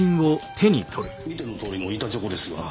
あぁ見てのとおりの板チョコですが。